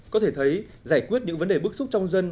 có thể thấy giải quyết những vấn đề bức xúc trong dân